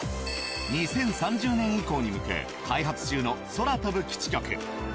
２０３０年以降に向け開発中の空飛ぶ基地局。